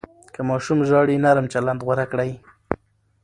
که ماشوم ژاړي، نرم چلند غوره کړئ.